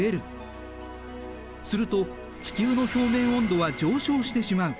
すると地球の表面温度は上昇してしまう。